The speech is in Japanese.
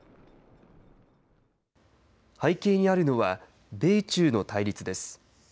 背景にあるのは、米中の対立です。